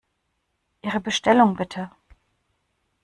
Ihre Bestellung, bitte!